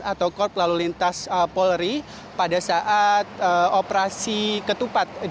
atau korplalu lintas polri pada saat operasi ketupatan